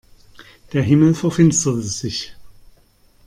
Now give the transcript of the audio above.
Der Himmel verfinsterte sich.